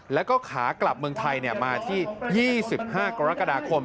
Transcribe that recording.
แล้วก็ขากลับเมืองไทยมาที่๒๕กรกฎาคม